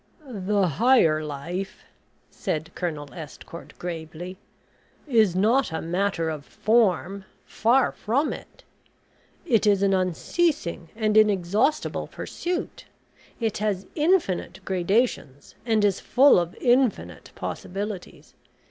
"The higher life," said Colonel Estcourt, gravely, "is not a matter of form. Far from it. It is an unceasing and inexhaustible pursuit; it has infinite gradations, and is full of infinite possibilities.